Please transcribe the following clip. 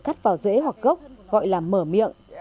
cắt vào rễ hoặc gốc gọi là mở miệng